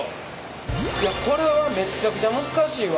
いやこれはめっちゃくちゃ難しいわ。